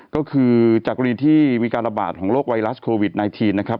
ก็คือจากกรณีที่มีการระบาดของโรคไวรัสโควิด๑๙นะครับ